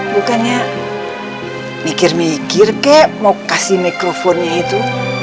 bukannya mikir mikir kek mau kasih mikrofonnya itu